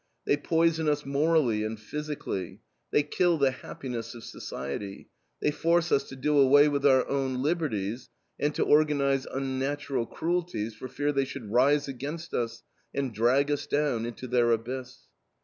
They poison us morally and physically; they kill the happiness of society; they force us to do away with our own liberties and to organize unnatural cruelties for fear they should rise against us and drag us down into their abyss....